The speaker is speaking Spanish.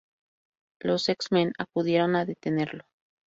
Los X-men acudieron a detenerlo.